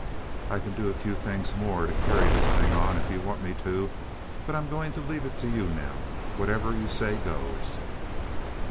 I can do a few things more to carry this thing on, if you want me to, but I'm going to leave it to you now. Whatever you say goes."